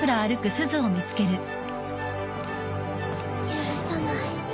許さない。